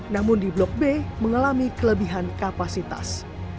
namun di blok b mengalami kelebihan kapasitas